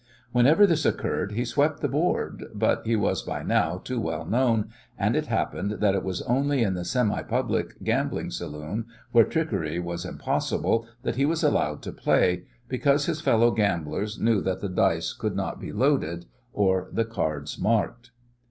Whenever this occurred he swept the board, but he was by now too well known, and it happened that it was only in the semi public gambling saloon where trickery was impossible that he was allowed to play, because his fellow gamblers knew that the dice could not be loaded or the cards marked.